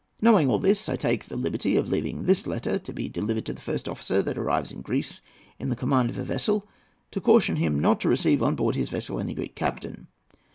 Knowing all this, I take the liberty of leaving this letter, to be delivered to the first officer that arrives in Greece in the command of a vessel, to caution him not to receive on board his vessel any Greek captain.